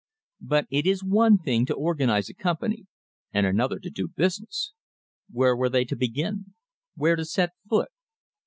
But it is one thing to organise a company, and another to do business. Where were they to begin? Where to set foot?